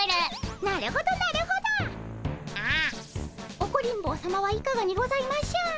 オコリン坊さまはいかがにございましょう？